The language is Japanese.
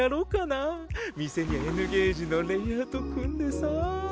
店にＮゲージのレイアウト組んでさ。